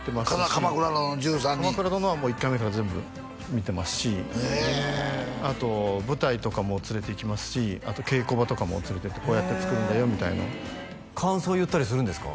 「鎌倉殿」はもう１回目から全部見てますしへえあと舞台とかも連れていきますしあと稽古場とかも連れていってこうやって作るんだよみたいなのを感想言ったりするんですか？